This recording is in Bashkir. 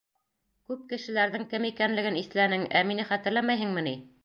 Күп кешеләрҙең кем икәнлеген иҫләнең, ә мине хәтерләмәйһеңме ни?